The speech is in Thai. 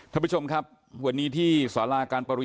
คนที่จนจริงเดือดร้อนจริงทำไมถึงไม่ได้